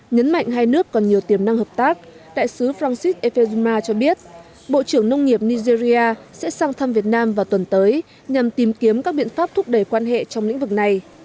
nhấn mạnh hai nước còn nhiều tiềm năng hợp tác đại sứ francis ephesma cho biết bộ trưởng nông nghiệp nigeria sẽ sang thăm việt nam vào tuần tới nhằm tìm kiếm các biện pháp thúc đẩy quan hệ trong lĩnh vực này